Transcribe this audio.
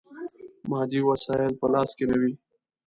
مادي وسایل په لاس کې نه وي.